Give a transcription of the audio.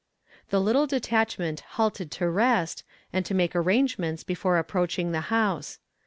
The little detachment halted to rest, and to make arrangements before approaching the house.